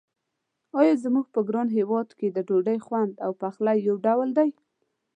آیا زموږ په ګران هېواد کې د ډوډۍ خوند او پخلی یو ډول دی.